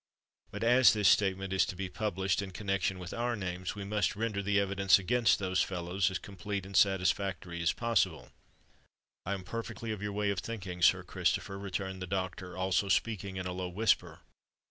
But, as this statement is to be published, in connexion with our names, we must render the evidence against those fellows as complete and satisfactory as possible." "I am perfectly of your way of thinking, Sir Christopher," returned the doctor, also speaking in a low whisper.